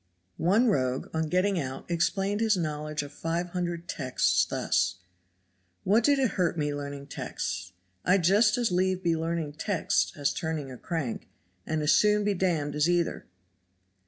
One rogue on getting out explained his knowledge of five hundred texts thus: "What did it hurt me learning texts? I'd just as lieve be learning texts as turning a crank, and as soon be d d as either."